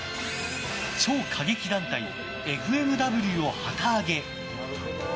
超過激団体ＦＭＷを旗揚げ。